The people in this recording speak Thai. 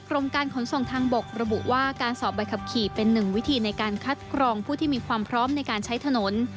กรมการขนส่งทางบกระบุว่าการสอบใบขับขี่เป็นหนึ่งวิธีในการคัดกรองผู้ที่มีความพร้อมในการใช้ถนน